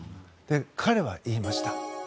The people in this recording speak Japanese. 彼は言いました。